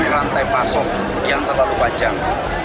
rantai pasok yang terlalu panjang